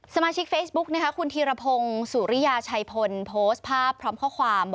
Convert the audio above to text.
สมาชิกเฟซบุ๊กคุณธีรพงศ์สุริยาชัยพลโพสต์ภาพพร้อมข้อความ